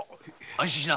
安心しな。